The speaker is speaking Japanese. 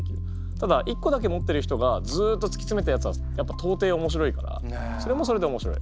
ただ一個だけ持ってる人がずっとつきつめたやつはやっぱ到底おもしろいからそれもそれでおもしろい。